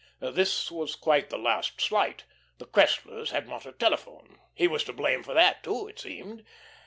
This was quite the last slight, the Cresslers had not a telephone! He was to blame for that, too, it seemed.